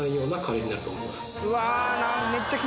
うわ